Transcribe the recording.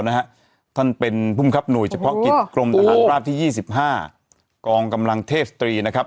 หน่วยเฉพาะกิจกรมตหารราบที่๒๕กองกำลังเทพศ์๓